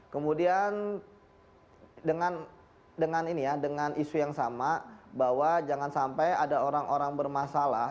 kemudian dengan isu yang sama bahwa jangan sampai ada orang orang bermasalah